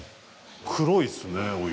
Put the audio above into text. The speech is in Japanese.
黒いっすねお湯。